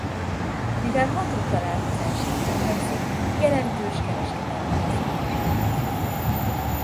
Mivel hat út találkozásánál fekszik jelentős kereskedelmi központ volt.